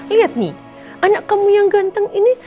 lihat nih anak kamu yang ganteng ini